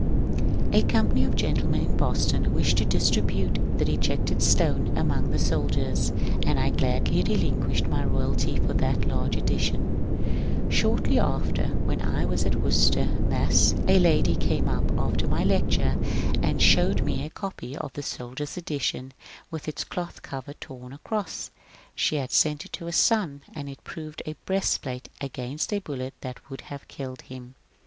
A company of gentlemen in Boston wished to distribute '^ The Rejected Stone " among the soldiers, and I gladly re linquished my royalty for that large edition. Shortly after, when I was at Worcester, Mass., a lady came up after my lecture and showed me a copy of the soldiers' edition with its cloth cover torn across ; she had sent it to her son, and ii proved a breastplate against a bullet that would have killed him.